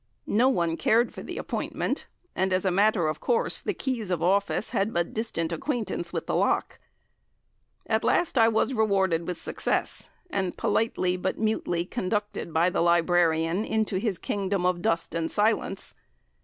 No one cared for the appointment, and as a matter of course the keys of office had but distant acquaintance with the lock. At last I was rewarded with success, and politely, but mutely, conducted by the librarian into his kingdom of dust and silence.